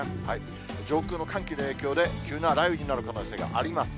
上空の寒気の影響で、急な雷雨になる可能性があります。